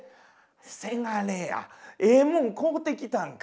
「せがれやええもん買うてきたんか」。